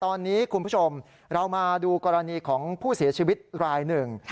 ตอนนี้คุณผู้ชมเรามาดูกรณีของผู้เสียชีวิตรายหนึ่ง